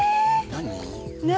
何？